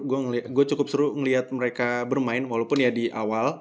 gue cukup seru melihat mereka bermain walaupun ya di awal